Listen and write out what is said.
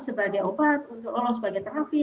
sebagai obat untuk lolos sebagai terapi